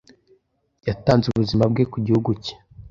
Yatanze ubuzima bwe ku gihugu cye.